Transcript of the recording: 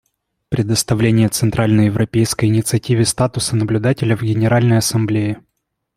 Предоставление Центральноевропейской инициативе статуса наблюдателя в Генеральной Ассамблее.